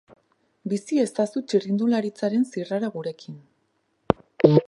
Bizi ezazu txirrindulariotzaren zirrara gurekin.